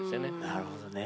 なるほどね。